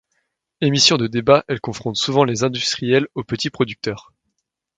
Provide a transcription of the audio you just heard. Émission de débat, elle confronte souvent les industriels aux petits producteurs.